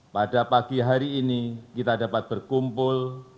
pada pagi hari ini kita dapat berkumpul